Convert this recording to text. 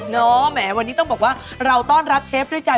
แหมวันนี้ต้องบอกว่าเราต้อนรับเชฟด้วยใจ